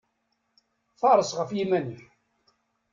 Faṛes ɣef yiman-ik!